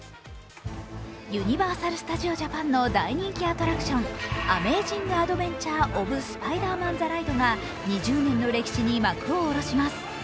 ユニバーサル・スタジオ・ジャパンの大人気アトラクションアメージング・アドベンチャー・オブ・スパイダーマン・ザ・ライドが２０年の歴史に幕を下ろします。